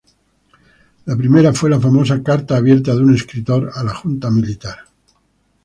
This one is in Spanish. La primera fue la famosa "Carta abierta de un escritor a la Junta Militar".